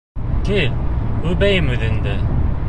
Кил, үбәйем үҙеңде!